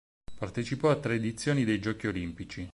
Partecipò a tre edizioni dei Giochi olimpici.